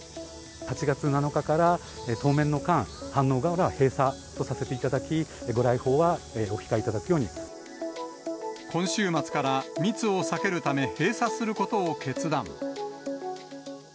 ８月７日から当面の間、飯能河原閉鎖とさせていただき、ご来訪は今週末から、密を避けるため、閉鎖することを決断。